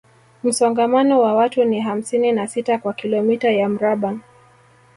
Msongamano wa watu ni hamsini na sita kwa kilomita ya mraba